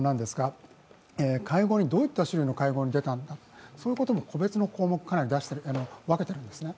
あと、どういった種類の会合に出たんだ、そういうことも個別の項目、かなり分けているんですね。